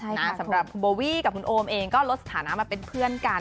สำหรับคุณโบวี่กับคุณโอมเองก็ลดสถานะมาเป็นเพื่อนกัน